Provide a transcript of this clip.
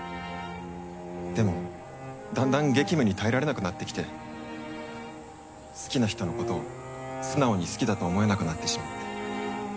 でもだんだん激務に耐えられなくなってきて好きな人のことを素直に好きだと思えなくなってしまって。